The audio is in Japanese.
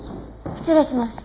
失礼します。